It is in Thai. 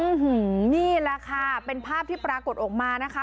นี่แหละค่ะเป็นภาพที่ปรากฏออกมานะคะ